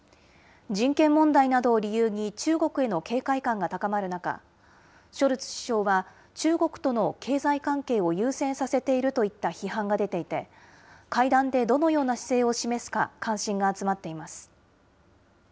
人権問題などを理由に中国への警戒感が高まる中、ショルツ首相は中国との経済関係を優先させているといった批判が出ていて、会談でどのような姿勢を示すか関心が集まっています。